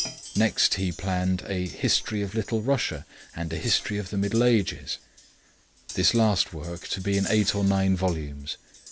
Next he planned a "History of Little Russia" and a "History of the Middle Ages," this last work to be in eight or nine volumes.